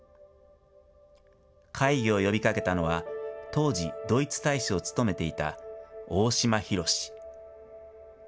会議を呼びかけたのは、当時、ドイツ大使を務めていた大島浩。